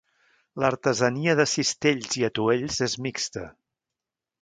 L'artesania de cistells i atuells és mixta.